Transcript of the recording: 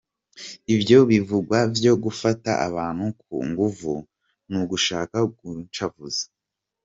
Ivyo bivugwa vyo gufata abantu ku nguvu n'ugushaka kuncafuza.